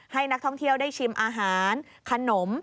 ให้นักท่องเที่ยวได้ชิมอาหารขนม